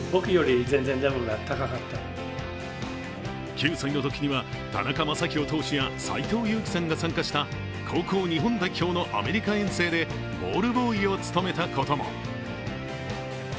９歳のときには、田中将大投手や斎藤佑樹さんが参加した高校日本代表のアメリカ遠征でボールボーイを務めたことも。